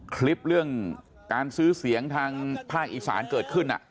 คลิปเรื่องการซื้อเสียงทางภาคอีสานเกิดขึ้น